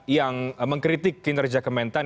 yang mengkritik kinerja kementerian pertanian